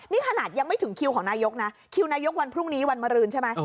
นี่ขนาดยังไม่ถึงคิวของนายกนะคิวนายกวันพรุ่งนี้วันมารืนใช่ไหม